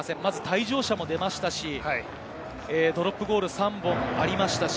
退場者も出ましたし、ドロップゴール３本もありましたし。